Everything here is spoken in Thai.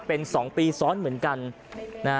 เป็น๒ปีซ้อนเหมือนกันนะฮะ